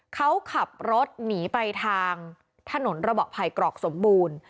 เขาขับรถหนีไปทางถนนระเบาะไผ่กรอกสมบูรณ์